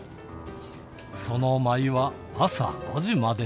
その舞は朝５時まで続いた。